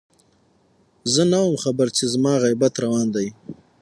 زه نه وم خبر چې زما غيبت روان دی